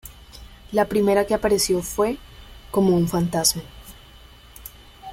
La primera que apareció fue "Como un fantasma".